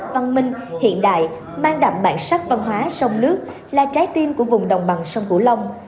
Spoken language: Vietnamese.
văn minh hiện đại mang đậm bản sắc văn hóa sông nước là trái tim của vùng đồng bằng sông cửu long